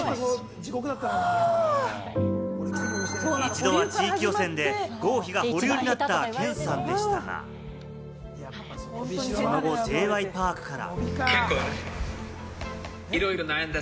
１度は地域予選で合否が保留になったケンさんでしたが、その後、Ｊ．Ｙ．Ｐａｒｋから。